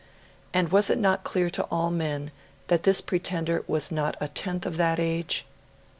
And was it not clear to all men that this pretender was not a tenth of that age?